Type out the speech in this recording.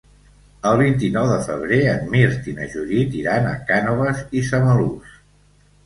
El vint-i-nou de febrer en Mirt i na Judit iran a Cànoves i Samalús.